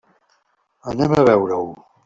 Anem a veure-ho.